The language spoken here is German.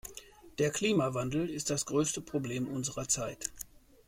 Der Klimawandel ist das größte Problem unserer Zeit.